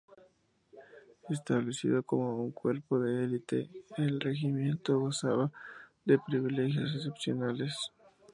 Establecido como un cuerpo de elite, el regimiento gozaba de privilegios excepcionales.